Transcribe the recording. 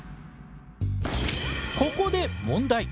ここで問題。